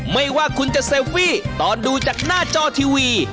ไม่ว่าคุณจะเซลฟี่ตอนดูจากหน้าจอทีวี